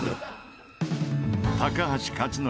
高橋克典